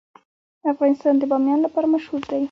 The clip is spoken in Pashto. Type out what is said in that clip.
افغانستان د بامیان لپاره مشهور دی.